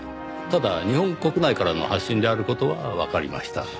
ただ日本国内からの発信である事はわかりました。